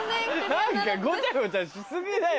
何かごちゃごちゃし過ぎだよ。